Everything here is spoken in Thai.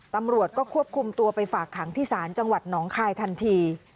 ตำรวจก็ควบคุมตัวไปฝากขังที่ศาลจังหวัดหนองคายทันที